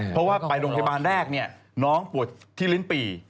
เพราะว่าไปโรงพยาบาลแรกน้องปวดที่ลิ้นปี่